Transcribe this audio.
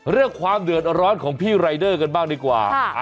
เรื่องความเดือดร้อนของพี่รายเดอร์กันบ้างดีกว่า